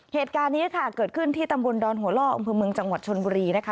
เหตุการณ์นี้ค่ะเกิดขึ้นที่ตำบลดอนหัวล่ออำเภอเมืองจังหวัดชนบุรีนะคะ